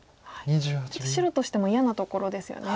ちょっと白としても嫌なところですよね。